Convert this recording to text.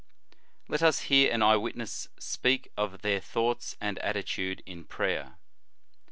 Let us hear an eye witness speak of their thoughts and attitude in prayer.